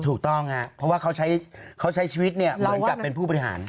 ถูกต้องครับเพราะว่าเขาใช้ชีวิตเนี่ยเหมือนกับเป็นผู้บริหาร